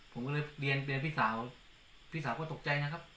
ผมก็เลยเรียนพี่สาวพี่สาวก็ตกใจนะครับ